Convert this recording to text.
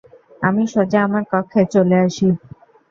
আমি সোজা আমার কক্ষে চলে আসি।